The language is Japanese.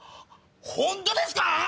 本当ですか